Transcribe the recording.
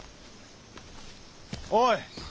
おい！